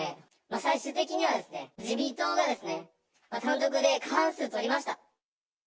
最終的にはですね、自民党が単独で過半数取りました。